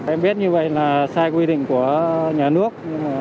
em biết như vậy là sai quy định của nhà nước